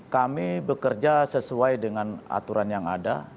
kami bekerja sesuai dengan aturan yang ada